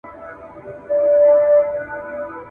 آیا کاغذ تر تختې سپک دی؟